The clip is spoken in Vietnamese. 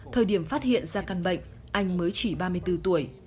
thời điểm phát hiện ra căn bệnh anh mới chỉ ba mươi bốn tuổi